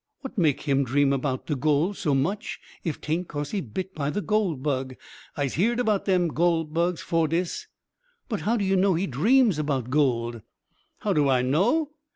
What make him dream 'bout de goole so much, if 'taint cause he bit by the goole bug? Ise heered 'bout dem goole bugs 'fore dis." "But how do you know he dreams about gold?" "How I know?